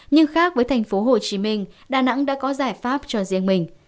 nhưng khác với thành phố hồ chí minh đà nẵng đã có giải pháp cho riêng mình